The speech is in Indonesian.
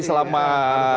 selama dia memerintah